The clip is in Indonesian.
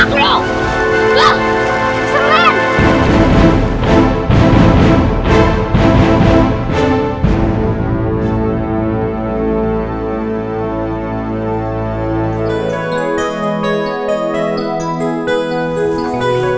aduh aduh aduh